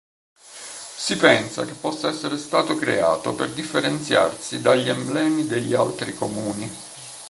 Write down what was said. Si pensa che possa essere stato creato per differenziarsi dagli emblemi degli altri comuni.